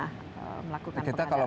itu dari mana melakukan pengadaan